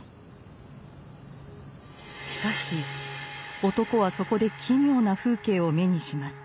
しかし男はそこで奇妙な風景を目にします。